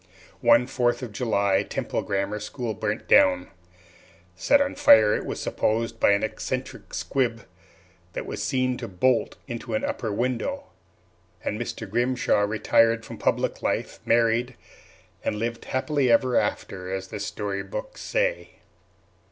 One Fourth of July the Temple Grammar School burnt down set on fire, it was supposed, by an eccentric squib that was seen to bolt into an upper window and Mr. Grimshaw retired from public life, married, "and lived happily ever after," as the story books say.